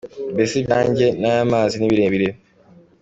Mbese ibyanjye n’aya mazi ni birebire!”.